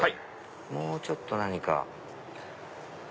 もうちょっと何か。